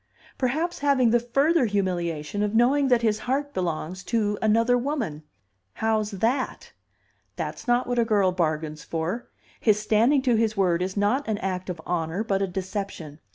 Perhaps having the further humiliation of knowing that his heart belongs to another woman. How's that? That's not what a girl bargains for. His standing to his word is not an act of honor, but a deception.